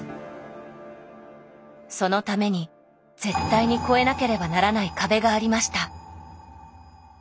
そのために絶対に越えなければならない壁がありました。